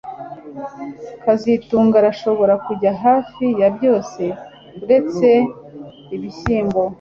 kazitunga arashobora kurya hafi ya byose uretse ibishyimbo